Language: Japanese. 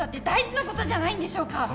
大事なことじゃないんでしょうか？